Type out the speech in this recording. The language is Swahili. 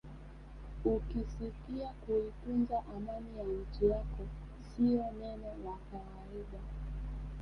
Ukisikia kuitunza amani ya nchi yako sio neno la kawaida